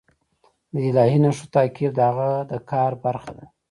د الهي نښو تعقیب د هغه د کار برخه ده.